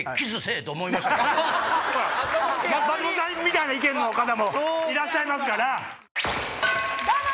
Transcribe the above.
松本さんみたいな意見の方もいらっしゃいますから。